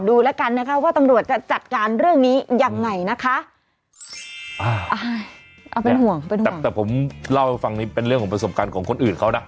ดูแล้วกันนะคะว่าตำรวจจะจัดการเรื่องนี้ยังไงนะคะอ่าเอาเป็นห่วงไปดูแต่ผมเล่าให้ฟังนี้เป็นเรื่องของประสบการณ์ของคนอื่นเขานะ